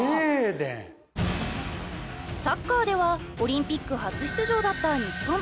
サッカーではオリンピック初出場だった日本。